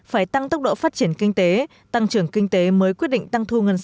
phải tăng tốc độ phát triển kinh tế tăng trưởng kinh tế mới quyết định tăng thu ngân sách